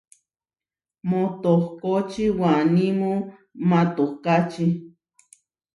Moʼotókoči wanímu matohkáči.